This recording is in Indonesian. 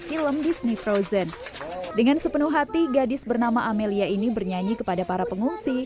film disney frozen dengan sepenuh hati gadis bernama amelia ini bernyanyi kepada para pengungsi